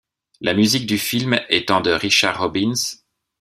La musique du film étant de Richard Robbins.